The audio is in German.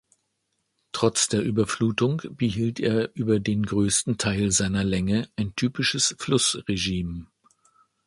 Trotz der Überflutung behielt er über den größten Teil seiner Länge ein typisches Fluss-Regime.